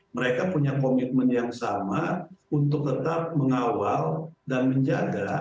mereka punya komitmen yang sama untuk tetap mengawal dan menjaga